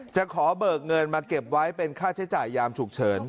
จะขอเบิกเงินมาเก็บไว้เป็นค่าใช้จ่ายยามฉุกเฉิน